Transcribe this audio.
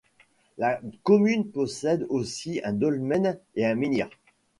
La commune possède aussi un dolmen et un menhir.